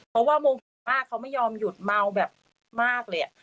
เพราะว่าโมโหมากเขาไม่ยอมหยุดเมาแบบมากเลย